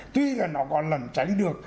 tuy là nó còn lẩn tránh được